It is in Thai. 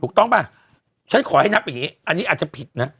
ป่ะฉันขอให้นับอย่างนี้อันนี้อาจจะผิดนะ